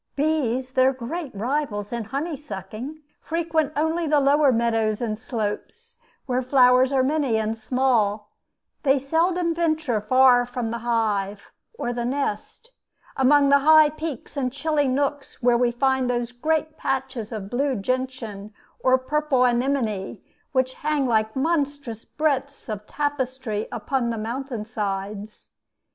Bees, their great rivals in honey sucking, frequent only the lower meadows and slopes, where flowers are many and small: they seldom venture far from the hive or the nest among the high peaks and chilly nooks where we find those great patches of blue gentian or purple anemone, which hang like monstrous breadths of tapestry upon the mountain sides.